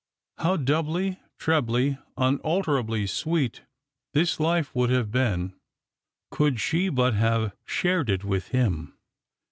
How doubly, trebly, unutterably sweet this life would have been could she but have shared it with him